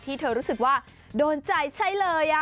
ที่เธอรู้สึกว่าโดนใจใช่เลย